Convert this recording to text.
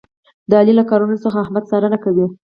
د علي له کارونو څخه احمد څارنه کوي.